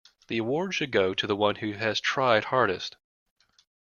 The award should go to the one who has tried hardest.